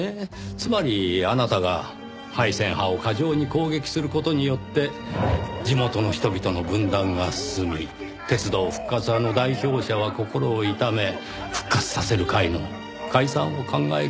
つまりあなたが廃線派を過剰に攻撃する事によって地元の人々の分断が進み鉄道復活派の代表者は心を痛め復活させる会の解散を考えるようになる。